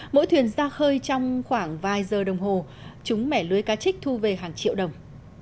mỗi thuyền ra khơi trong khoảng vài giờ đồng hồ chúng mẻ lưới cá trích thu về hàng triệu đồng